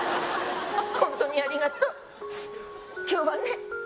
ホントにありがとう今日はね